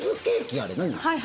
あれ何。